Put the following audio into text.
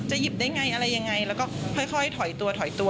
หยิบได้ไงอะไรยังไงแล้วก็ค่อยถอยตัวถอยตัว